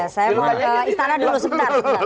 saya mau ke istana dulu sebentar